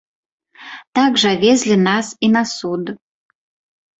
Так жа везлі нас і на суд.